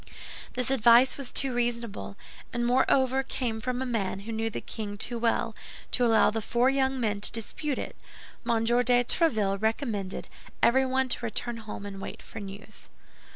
This advice was too reasonable, and moreover came from a man who knew the king too well, to allow the four young men to dispute it. M. de Tréville recommended everyone to return home and wait for news.